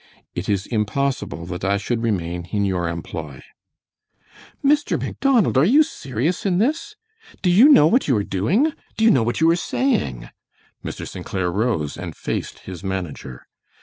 It is impossible that I should remain in your employ." "Mr. Macdonald, are you serious in this? Do you know what you are doing? Do you know what you are saying?" Mr. St. Clair rose and faced his manager.